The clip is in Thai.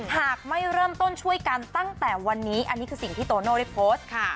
หากไม่เริ่มต้นช่วยกันตั้งแต่วันนี้อันนี้คือสิ่งที่โตโน่ได้โพสต์ค่ะ